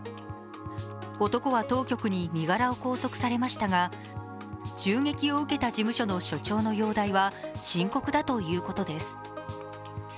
男は当局に身柄を拘束されましたが、銃撃を受けた事務所の所長の容態は深刻だということです。